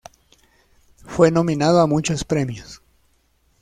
Fue nominado a muchos premios.